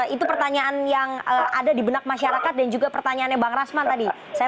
itu pertanyaan yang ada di benak masyarakat dan juga pertanyaannya bang rasman tadi